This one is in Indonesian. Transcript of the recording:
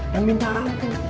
yang minta ampun